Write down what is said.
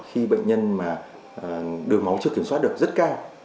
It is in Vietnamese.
khi bệnh nhân mà đường máu chưa kiểm soát được rất cao